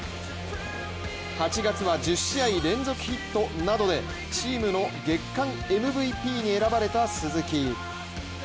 ８月は１０試合連続ヒットなどで、チームの月間ＭＶＰに選ばれた鈴木。